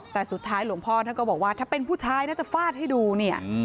แต่สุดท้ายหลวงพ่อท่านก็บอกว่าถ้าเป็นผู้ชายน่าจะฟาดให้ดูเนี่ย